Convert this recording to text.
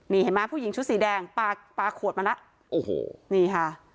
นี่เห็นไหมผู้หญิงชุดสีแดงปลาปลาขวดมาแล้วโอ้โหนี่ค่ะ